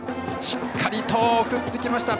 しっかりと送ってきた。